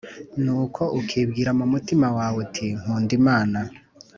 Ni uko ukibwira mu mutima wawe uti Nkunda Imana